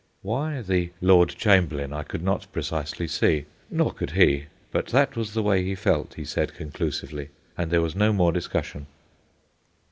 Why the Lord Chamberlain I could not precisely see, nor could he, but that was the way he felt, he said conclusively, and there was no more discussion.